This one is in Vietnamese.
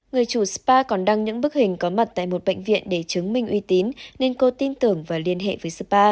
người chủ spa còn đăng những bức hình có mặt tại một bệnh viện để chứng minh uy tín nên cô tin tưởng và liên hệ với spa